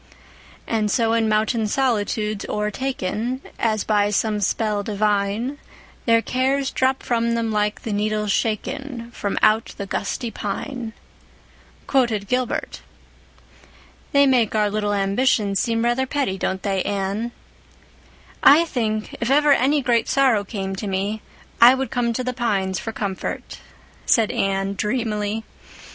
"'And so in mountain solitudes o'ertaken As by some spell divine, Their cares drop from them like the needles shaken From out the gusty pine,'" quoted Gilbert. "They make our little ambitions seem rather petty, don't they, Anne?" "I think, if ever any great sorrow came to me, I would come to the pines for comfort," said Anne dreamily.